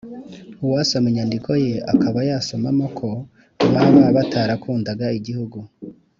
uwasoma inyandikoye akaba yasomamo ko baba batarakundaga igihugu